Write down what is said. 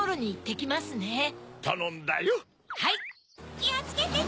きをつけてね！